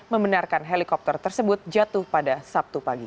membenarkan helikopter tersebut jatuh pada sabtu pagi